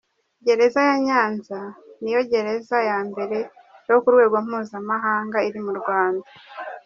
Gereza ya Nyanza niyo gereza ya mbere yo ku rwego mpuzamahanga iri mu Rwanda.